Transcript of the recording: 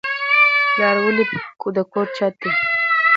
پلار ولې د کور چت دی؟